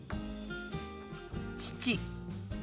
「父」。